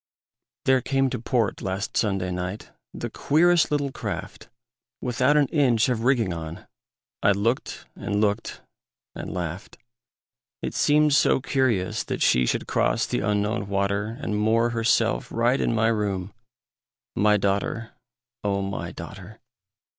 There came to port last Sunday night The queerest little craft, Without an inch of rigging on; I looked and looked and laughed. It seemed so curious that she Should cross the Unknown water, And moor herself right in my room, My daughter, O my daughter!